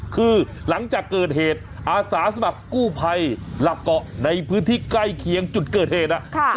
คือหลังจากเกิดเหตุอาสาสมัครกู้ภัยหลักเกาะในพื้นที่ใกล้เคียงจุดเกิดเหตุ